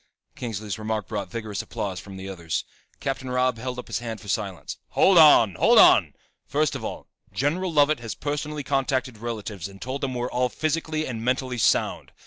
Kingsley's remark brought vigorous applause from the others. Captain Robb held up his hand for silence. "Hold on! Hold on! First of all, General Lovett has personally contacted relatives and told them we're all physically and mentally sound.